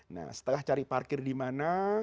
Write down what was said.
nah setelah cari parkir dimana